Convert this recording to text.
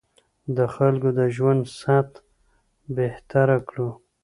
د خلکو د ژوند سطح بهتره کړو.